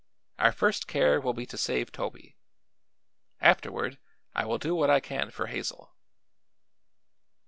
Our first care will be to save Toby; afterward I will do what I can for Hazel."